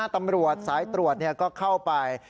ตำรวจสายตรวจก็เข้าไป